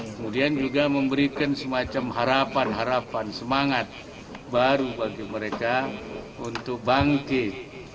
kemudian juga memberikan semacam harapan harapan semangat baru bagi mereka untuk bangkit